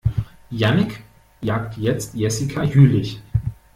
Jannick jagt jetzt Jessica Jüllich.